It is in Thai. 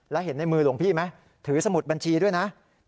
แล้วเห็นในมือหลวงพี่ไหมถือสมุดบัญชีด้วยนะ